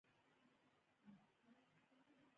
ډنډکی د پکتياوالو عنعنوي خوارک ده